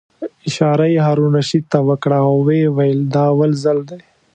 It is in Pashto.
اشاره یې هارون الرشید ته وکړه او ویې ویل: دا اول ځل دی.